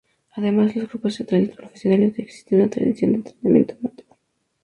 Además de los grupos teatrales profesionales, existe una tradición de entretenimiento amateur.